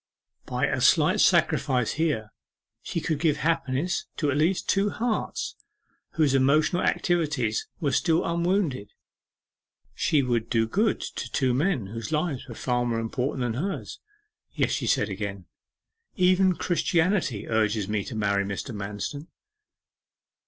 By a slight sacrifice here she could give happiness to at least two hearts whose emotional activities were still unwounded. She would do good to two men whose lives were far more important than hers. 'Yes,' she said again, 'even Christianity urges me to marry Mr. Manston.